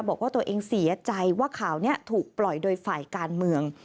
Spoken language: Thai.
บอกว่าตัวเองเสียใจว่าข่าวนี้ถูกปล่อยโดยฝ่ายการเมือง